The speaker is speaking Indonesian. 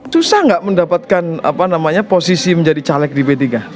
susah gak mendapatkan posisi menjadi caleg di p tiga